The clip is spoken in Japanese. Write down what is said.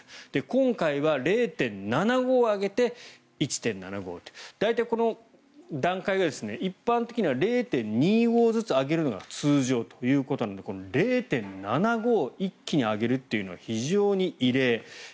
今回は０．７５上げて１．７５大体段階が、一般的には０．２５ずつ上げるのが通常ということなので０．７５一気に上げるのは非常に異例。